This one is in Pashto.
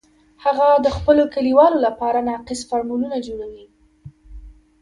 هغه د خپلو کلیوالو لپاره ناقص فارمولونه جوړوي